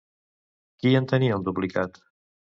Qui en tenia un duplicat?